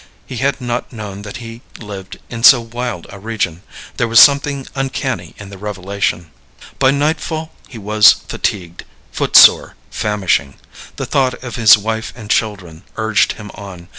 He had not known that he lived in so wild a region. There was something uncanny in the revelation. By nightfall he was fatigued, footsore, famishing. The thought of his wife and children urged him on.